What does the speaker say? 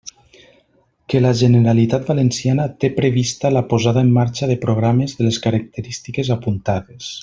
Que la Generalitat Valenciana té prevista la posada en marxa de programes de les característiques apuntades.